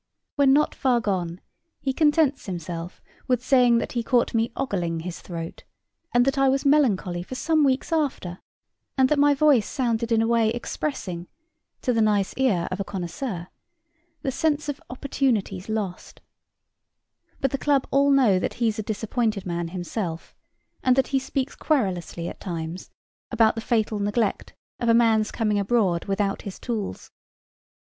When not far gone, he contents himself with saying that he caught me ogling his throat; and that I was melancholy for some weeks after, and that my voice sounded in a way expressing, to the nice ear of a connoisseur, the sense of opportunities lost but the club all know that he's a disappointed man himself, and that he speaks querulously at times about the fatal neglect of a man's coming abroad without his tools.